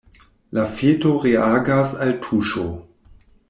La feto reagas al tuŝo.